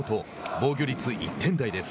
防御率１点台です。